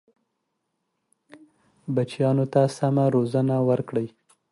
بچیانو ته سمه روزنه ورکړئ.